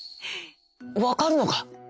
「わかるのか！？」。